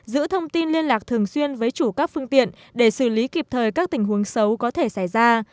giữ thông tin liên lạc thường xuyên với chủ các phương tiện để xử lý kịp thời các tình huống xấu có thể xảy ra